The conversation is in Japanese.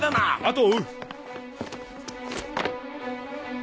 後を追う！